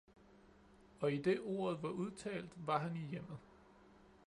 Og idet ordet var udtalt, var han i hjemmet.